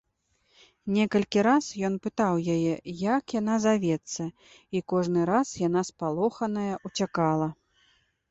Некалькі раз ён пытаў яе, як яна завецца, і кожны раз яна, спалоханая, уцякала.